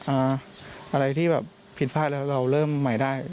อะไรที่แบบผิดพลาดแล้วเราเริ่มใหม่ได้